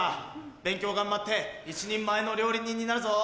勉強頑張って一人前の料理人になるぞ。